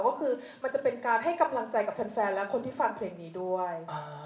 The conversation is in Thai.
ก็คือมันจะเป็นการให้กำลังใจกับแฟนและคนที่ฟังเพลงนี้ด้วย